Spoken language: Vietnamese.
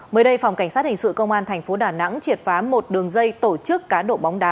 về đây phòng cảnh sát hình sự công an tp đà nẵng triệt phá một đường dây tổ chức cá độ bóng đá